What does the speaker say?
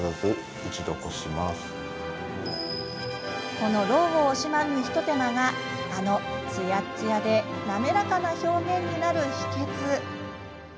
この労を惜しまぬ一手間があのつやっつやでなめらかな表面になる秘けつ。